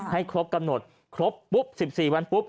ให้ครบกำหนดครบปุ๊บ๑๔วันปุ๊บ